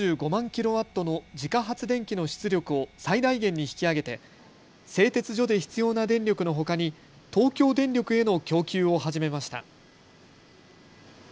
キロワットの自家発電機の出力を最大限に引き上げて製鉄所で必要な電力のほかに東京電力への供給を始めました。